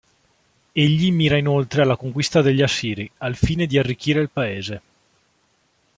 Egli mira inoltre alla conquista degli Assiri, al fine di arricchire il Paese.